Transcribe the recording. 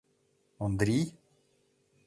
Ондрий?!